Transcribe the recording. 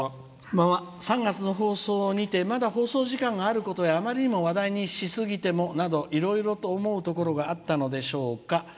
３月の放送にてまだ放送時間があることにあまりにも話題にしすぎてもなどいろいろと思うところがあったのでしょうか。